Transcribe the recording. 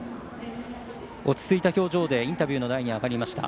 落ち着いた表情でインタビューの台に上がりました。